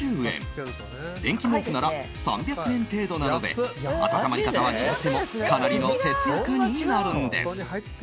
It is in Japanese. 電気毛布なら３００円程度なので暖まり方は違ってもかなりの節約になるんです。